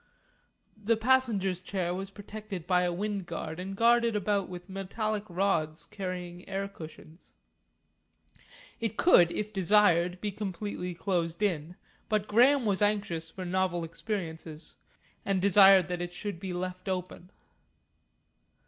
The passenger's chair was protected by a wind guard and guarded about with metallic rods carrying air cushions. It could, if desired, be completely closed in, but Graham was anxious for novel experiences, and desired that it should be left open.